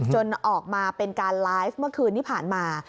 ออกมาเป็นการไลฟ์เมื่อคืนที่ผ่านมา